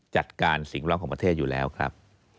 จัดการสิ่งร้องของประเทศอยู่แล้วครับ